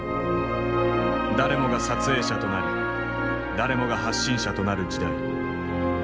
誰もが撮影者となり誰もが発信者となる時代。